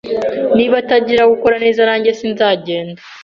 Niba atagiye gukora neza, nanjye sinzagenda.